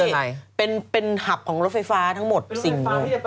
มาจากชาติเมือง